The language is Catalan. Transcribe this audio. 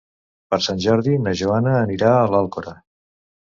Per Sant Jordi na Joana anirà a l'Alcora.